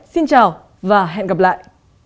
xin chào và hẹn gặp lại